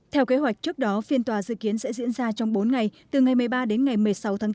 theo kế hoạch trước đó phiên tòa dự kiến sẽ diễn ra trong bốn ngày từ ngày một mươi ba đến ngày một mươi sáu tháng bốn